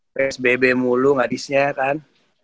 psbb mulu nggadisnya kan